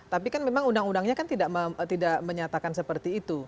tapi kan memang undang undangnya kan tidak menyatakan seperti itu